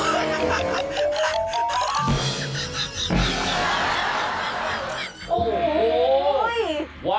โอ้โห